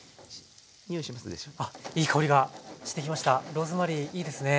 ローズマリーいいですね。